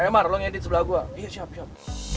emar lo ngedit sebelah gue iya siap siap